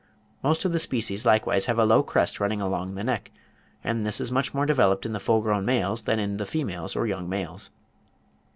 Most of the species likewise have a low crest running along the neck; and this is much more developed in the full grown males than in the females or young males.